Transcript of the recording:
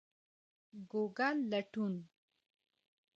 ګوګل لټون